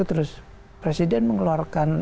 terus presiden mengeluarkan